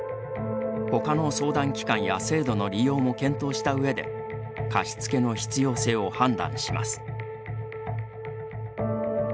ほかの相談機関や制度の利用も検討した上で貸付の必要性を判断します。